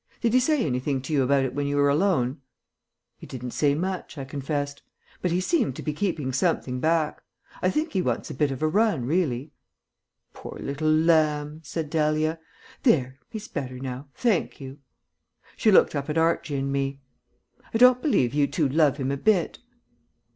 Did he say anything to you about it when you were alone?" "He didn't say much," I confessed, "but he seemed to be keeping something back. I think he wants a bit of a run, really." "Poor little lamb," said Dahlia. "There, he's better now, thank you." She looked up at Archie and me. "I don't believe you two love him a bit."